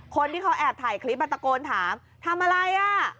คนที่เขาแอบถ่ายคลิปมาตะโกนถามทำอะไรอ่ะ